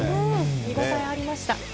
見応えありました。